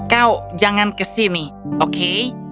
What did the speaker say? kau jangan ke sini oke